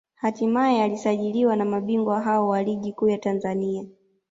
hatimaye alisajiliwa na mabingwa hao wa Ligi Kuu ya Tanzania